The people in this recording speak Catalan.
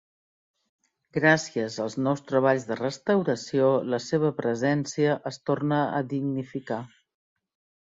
Gràcies als nous treballs de restauració la seva presència es torna a dignificar.